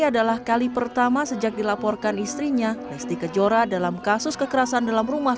adalah kali pertama sejak dilaporkan istrinya lesti kejora dalam kasus kekerasan dalam rumah